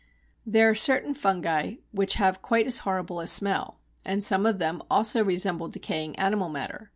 There are certain fungi which have quite as horrible a smell, and some of them also resemble decaying animal matter.